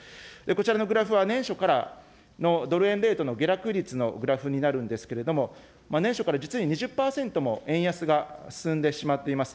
こちらのグラフは年初からのドル円レートの下落率のグラフになるんですけれども、年初から実に２０％も円安が進んでしまっています。